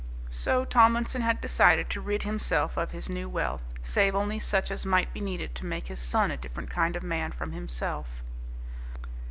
So Tomlinson had decided to rid himself of his new wealth, save only such as might be needed to make his son a different kind of man from himself.